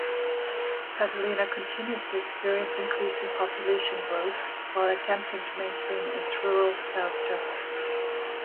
Catalina continues to experience increasing population growth, while attempting to maintain its rural character.